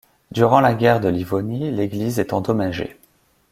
Durant la guerre de Livonie, l'église est endommagée.